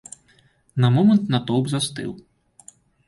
На момант натоўп застыў.